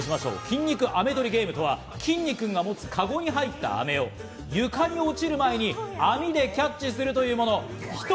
筋肉アメとりゲームとは、きんに君が持つアメを床に落ちる前に網でキャッチするというもの。